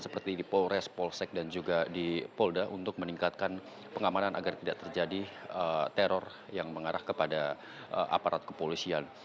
seperti di polres polsek dan juga di polda untuk meningkatkan pengamanan agar tidak terjadi teror yang mengarah kepada aparat kepolisian